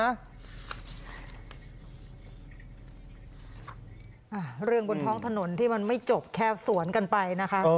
เรื่องบนท้องถนนที่มันไม่จบแค่สวนกันไปนะคะ